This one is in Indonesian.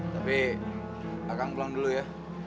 tapi akan pulang dulu ya